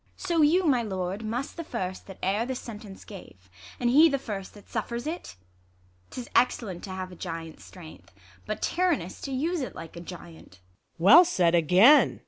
VB. So you, my lord, must te the first that e'er This sentence gave, and he the fii«t that suffers it. 'Tis excellent to have a giant's strength, But tyrannous to use it like a giant, Luc. Well said again